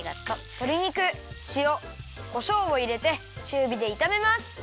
とり肉しおこしょうをいれてちゅうびでいためます。